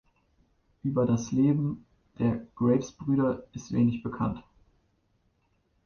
Über das Leben der Graves-Brüder ist wenig bekannt.